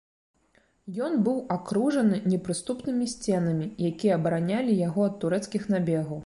Ён быў акружаны непрыступнымі сценамі, якія абаранялі яго ад турэцкіх набегаў.